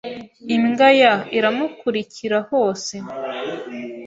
Imbwa ya iramukurikira hose.